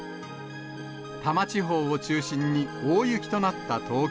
多摩地方を中心に大雪となった東京。